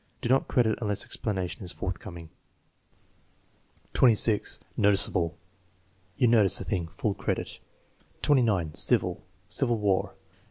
Do not credit unless explanation is forthcoming. 26. Noticeable. "You notice a thing." (Full credit.) 29. Civil "Civil War."